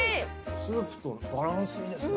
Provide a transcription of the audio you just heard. スープとバランスいいですね